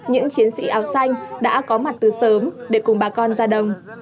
những chiến sĩ áo xanh đã có mặt từ sớm để cùng bà con ra đồng